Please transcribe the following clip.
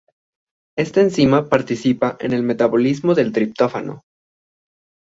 Esta enzima participa en el metabolismo del triptófano.